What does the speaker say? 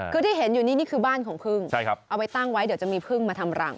คือที่เห็นอยู่นี่นี่คือบ้านของพึ่งเอาไปตั้งไว้เดี๋ยวจะมีพึ่งมาทำรัง